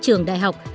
và trường đại học